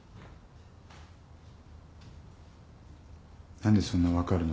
何でそんな分かるの？